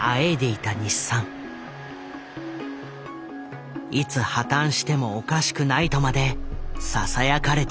いつ破たんしてもおかしくないとまでささやかれていた。